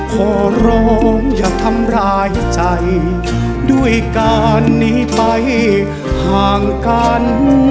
ขอร้องอย่าทำร้ายใจด้วยการหนีไปห่างกัน